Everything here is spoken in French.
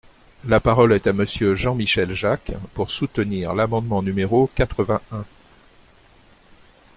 La parole est à Monsieur Jean-Michel Jacques, pour soutenir l’amendement numéro quatre-vingt-un.